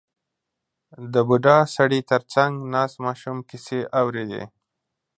• د بوډا سړي تر څنګ ناست ماشوم کیسې اورېدې.